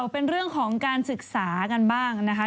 เป็นเรื่องของการศึกษากันบ้างนะคะ